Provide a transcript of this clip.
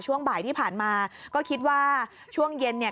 ช่วงบ่ายที่ผ่านมาก็คิดว่าช่วงเย็นเนี่ย